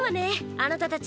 あなたたち。